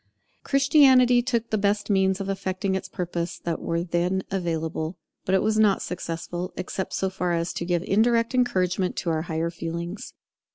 Christianity took the best means of effecting its purpose that were then available; but it was not successful, except so far as it gave indirect encouragement to our higher feelings.